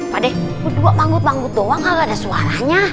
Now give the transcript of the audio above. padeh dua banggut banggut doang nggak ada suaranya